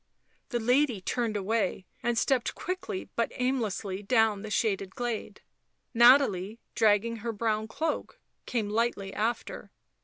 The lady turned away and stepped quickly but aimlessly down the shaded glade. Nathalie, dragging her brown cloak, came lightly after.